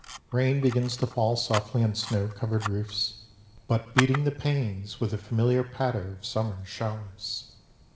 Rain begins to fall softly on snow covered roofs, but beating the panes with the familiar patter of summer showers.